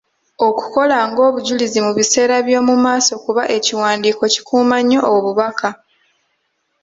Okukola ng’obujulizi mu biseera by’omu maaso kuba ekiwandiiko kikuuma nnyo obubaka.